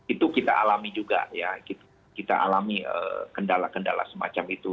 itu kita alami juga ya kita alami kendala kendala semacam itu